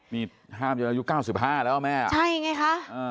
นี่ห้ามจนอายุ๙๕แล้วแม่ใช่ไงคะ